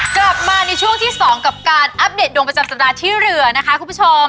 กลับมาในช่วงที่๒กับการอัปเดตดวงประจำสัปดาห์ที่เหลือนะคะคุณผู้ชม